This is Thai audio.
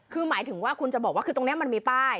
คือหมายถึงว่าคุณจะบอกว่าคือตรงนี้มันมีป้าย